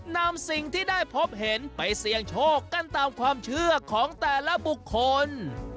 นำสิ่งที่ได้พบเห็นไปเสี่ยงโชคกันตามความเชื่อของแต่ละบุคคล